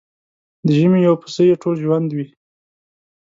د ژمي يو پسه يې ټول ژوند وي.